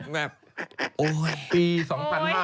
แบบโอ้ย